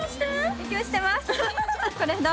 勉強してます。